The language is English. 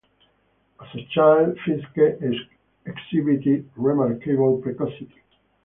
As a child, Fiske exhibited remarkable precocity.